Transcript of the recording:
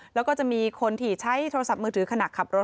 แล้วก็จะมีคนที่ใช้โทรศัพท์มือถือขณะขับรถ